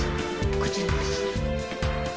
こちらです。